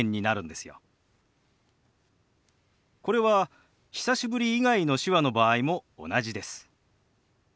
これは「久しぶり」以外の手話の場合も同じです。